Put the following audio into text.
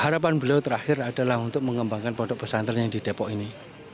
harapan beliau terakhir adalah untuk mengembangkan pondok pesantren yang di depok ini